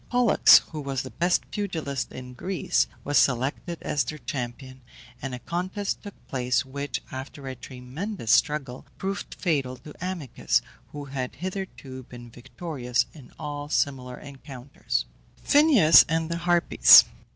Pollux, who was the best pugilist in Greece, was selected as their champion, and a contest took place, which, after a tremendous struggle, proved fatal to Amycus, who had hitherto been victorious in all similar encounters. PHINEUS AND THE HARPIES.